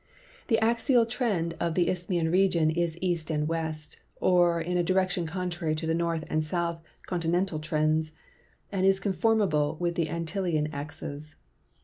The axial trend of the Isthmian region is east and west, or in a direction contrary to the north and south continental trends, and is conformable with the Antillean axes.